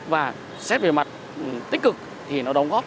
và xét về mặt tích cực thì nó đóng góp